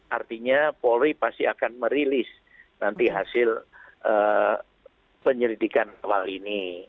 artinya polri pasti akan merilis nanti hasil penyelidikan awal ini